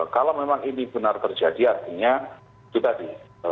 kalau memang ini benar terjadi artinya itu tadi